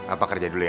apa kerja dulu ya